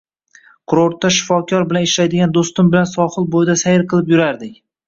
Kurortda shifokor bo`lib ishlaydigan do`stim bilan sohil bo`yida sayr qilib yurardik